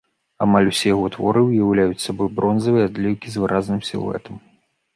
Амаль усё яго творы ўяўляюць сабой бронзавыя адліўкі з выразным сілуэтам.